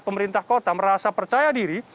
pemerintah kota merasa percaya diri